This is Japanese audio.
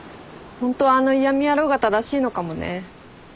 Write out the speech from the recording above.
ホントはあの嫌み野郎が正しいのかもね。